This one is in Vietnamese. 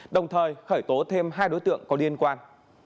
đồng thời khởi tố thêm hai đối tượng có liên quan